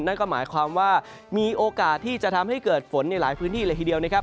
นั่นก็หมายความว่ามีโอกาสที่จะทำให้เกิดฝนในหลายพื้นที่เลยทีเดียวนะครับ